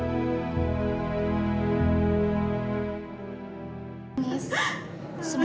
semuanya akan baik baik saja besok